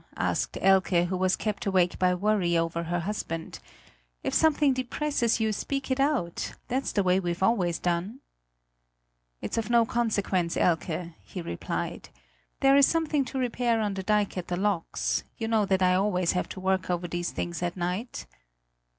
asked Elke who was kept awake by worry over her husband; "if something depresses you, speak it out; that's the way we've always done." "It's of no consequence, Elke," he replied, "there is something to repair on the dike at the locks; you know that I always have to work over these things at night."